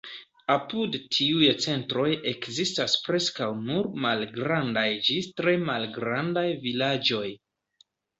Apud tiuj centroj ekzistas preskaŭ nur malgrandaj ĝis tre malgrandaj vilaĝoj.